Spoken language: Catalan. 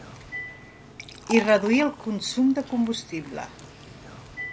I reduir el consum de combustible.